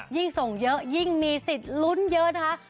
ยิ่งส่งเยอะยิ่งมีสิทธิ์ลุ้นเยอะนะคะ